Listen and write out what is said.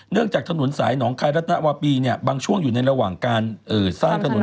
เนื่องจากถนนสายเสมือนขายอัตตวร์ปีบางช่วงอยู่ในระหว่างการตั้งถนน